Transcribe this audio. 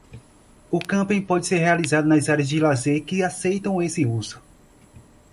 O camping pode ser realizado nas áreas de lazer que aceitam esse uso.